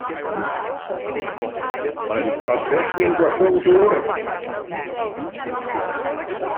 Mae'n pabell ni'n gollwng dŵr.